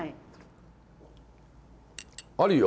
ありよ。